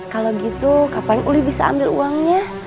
kalau gitu kapan uli bisa ambil uangnya